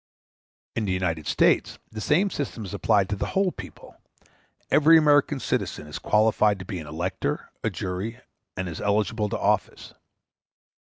In the United States the same system is applied to the whole people. Every American citizen is qualified to be an elector, a juror, and is eligible to office.